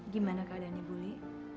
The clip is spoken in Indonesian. gimana keadaannya buli